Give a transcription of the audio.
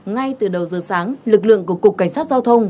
ngay từ đầu giờ sáng lực lượng của cục cảnh sát giao thông